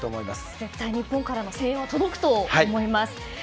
絶対日本からの声援は届くと思います。